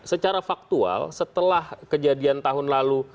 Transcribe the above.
secara faktual setelah kejadian tahun lalu